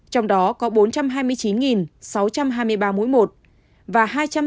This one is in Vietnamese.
trong đó có bốn trăm hai mươi chín sáu trăm hai mươi ba mũi một và hai trăm tám mươi năm tám trăm ba mươi năm